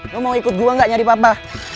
lu mau ikut gua nggak nyari papa